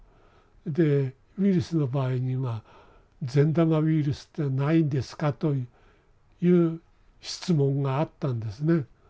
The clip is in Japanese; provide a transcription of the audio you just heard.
でウイルスの場合には善玉ウイルスってないんですかという質問があったんですね。